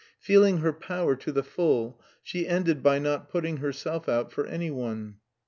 Feeling her power to the full, she ended by not putting herself out for anyone.